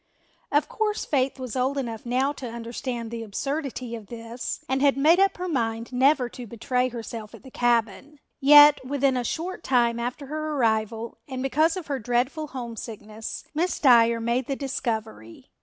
Of course Faith was old enough now to understand the absurdity of this and had made up her mind never to betray herself at the cabin. Yet within a short time after her arrival and because of her dreadful homesickness, Miss Dyer made the discovery.